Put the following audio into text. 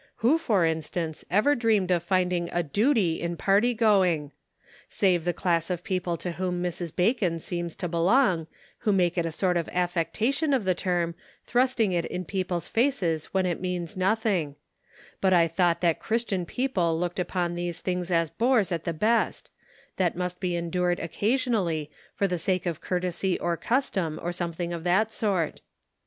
Who, for instance, ever dreamed of finding a duty in party going? Save the class of people to whom Mrs. Bacon seems to belong, who make a sort of affectation of the term, thrusting it in people's faces when it means nothing ; but I thought that Christian people looked upon these things as bores at the best, that must be endured, occasional^, for the sake of courtesy or custom, or something of that sort."